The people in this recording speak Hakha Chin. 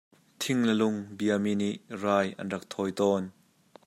Thing le lung biami nih rai an rak thawi tawn.